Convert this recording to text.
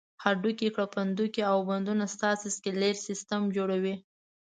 هډوکي، کرپندوکي او بندونه ستاسې سکلېټ سیستم جوړوي.